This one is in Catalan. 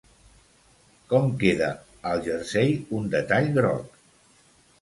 Com queda al jersei un detall groc.